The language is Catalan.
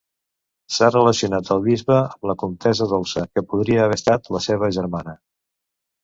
S'ha relacionat el bisbe amb la comtessa Dolça, que podria haver estat la seva germana.